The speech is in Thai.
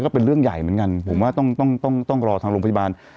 ก็เป็นเรื่องใหญ่เหมือนกันผมว่าต้องต้องรอทางโรงพยาบาล